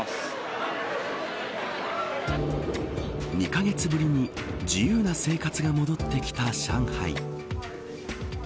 ２カ月ぶりに自由な生活が戻ってきた上海。